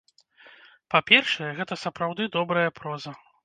Па-першае, гэта сапраўды добрая проза.